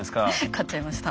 勝っちゃいました。